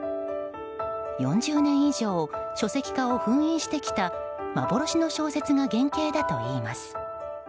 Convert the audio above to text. ４０年以上書籍化を封印してきた幻の小説が原形だといいます。